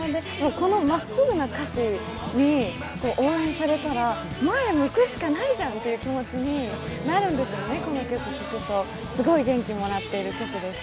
このまっすぐな歌詞に応援されたら前を向くしかないじゃんという気持ちになってこの曲聴くと、すごい元気もらってる曲です。